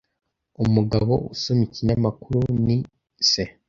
Umugabo usoma ikinyamakuru ni se.